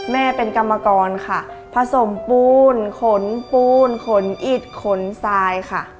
แม่เป็นกรรมกรค่ะผสมปูนขนปูนขนอิดขนทรายค่ะ